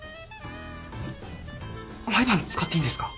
毎晩使っていいんですか？